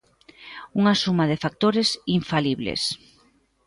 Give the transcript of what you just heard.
Unha suma de factores infalibles.